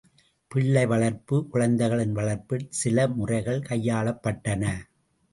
பிள்ளை வளர்ப்பு குழந்தைகளின் வளர்ப்பில் சில முறைகள் கையாளப்பட்டன.